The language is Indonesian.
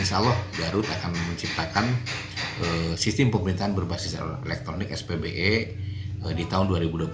insya allah garut akan menciptakan sistem pemerintahan berbasis elektronik spbe di tahun dua ribu dua puluh empat